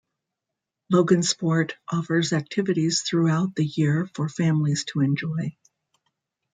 Logansport offers activities throughout the year for families to enjoy.